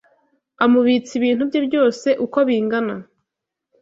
amubitsa ibintu bye byose uko bingana